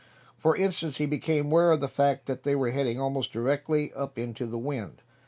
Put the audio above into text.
For instance, he became aware of the fact that they were heading almost directly up into the wind.